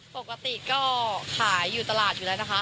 ปกติก็ขายอยู่ตลาดอยู่แล้วนะคะ